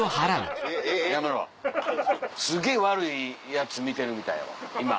すっげぇ悪いヤツ見てるみたいやわ今。